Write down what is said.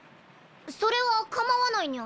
それはかまわないニャ。